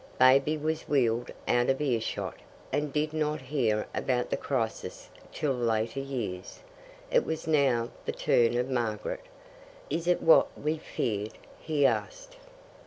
Baby was wheeled out of earshot, and did not hear about the crisis till later years. It was now the turn of Margaret. "Is it what we feared?" he asked.